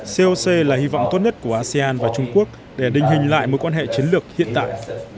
coc là hy vọng tốt nhất của asean và trung quốc để định hình lại mối quan hệ chiến lược hiện tại